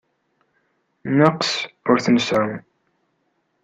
Nneqs ur t-nseɛɛu.